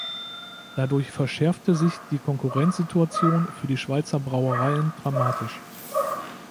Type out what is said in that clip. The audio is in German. Dadurch verschärfte sich die Konkurrenzsituation für die Schweizer Brauereien dramatisch.